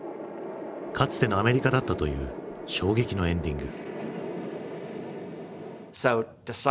かつてのアメリカだったという衝撃のエンディング。